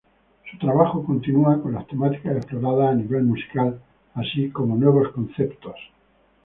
Su trabajo continua con las temáticas exploradas a nivel musical, así como nuevos conceptos.